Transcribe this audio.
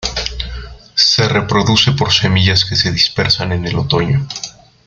Se reproduce por semillas, que se dispersan en el otoño.